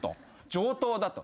上等だと。